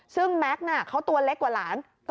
ซึ่งแม็กซ์เขาตัวเล็กกว่าหลาน